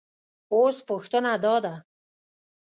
اوس پوښتنه دا ده